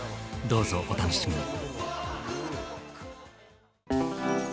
どうぞお楽しみに。